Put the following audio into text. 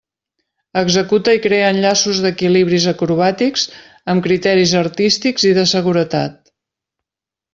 Executa i crea enllaços d'equilibris acrobàtics amb criteris artístics i de seguretat.